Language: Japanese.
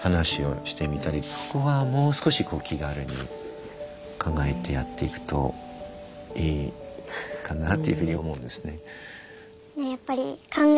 そこはもう少しこう気軽に考えてやっていくといいかなというふうに思うんですね。